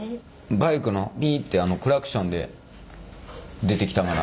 バイクのピってあのクラクションで出てきたんかな。